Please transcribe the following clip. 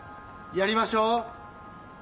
やりましょう！